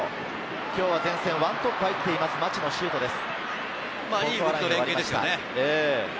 今日は前線１トップに入っています、町野修斗です。